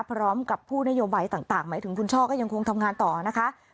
พร้อมกับผู้นโยบายต่างหมายถึงคุณช่อก็ยังคงทำงานต่อนะคะ